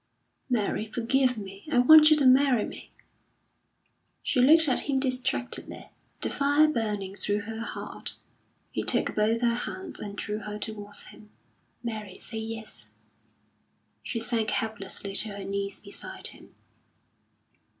"Mary, forgive me! I want you to marry me." She looked at him distractedly, the fire burning through her heart. He took both her hands and drew her towards him. "Mary, say yes." She sank helplessly to her knees beside him.